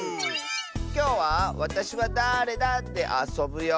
きょうは「わたしはだーれだ？」であそぶよ！